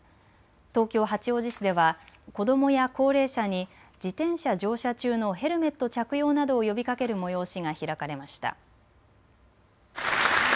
東京八王子市では子どもや高齢者に自転車乗車中のヘルメット着用などを呼びかける催しが開かれました。